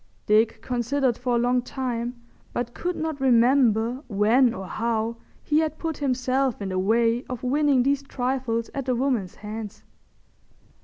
Dick considered for a long time but could not remember when or how he had put himself in the way of winning these trifles at a woman's hands.